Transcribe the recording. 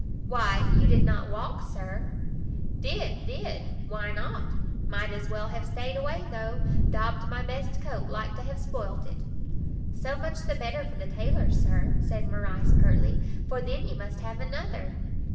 "Why you did not walk, Sir?" "Did, did; why not? Might as well have stayed away though; daubed my best coat, like to have spoilt it." "So much the better for the taylors, Sir," said Morrice, pertly, "for then you must have another."